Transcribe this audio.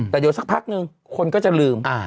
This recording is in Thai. แต่เดี๋ยวสักพักนึงคนก็จะลืม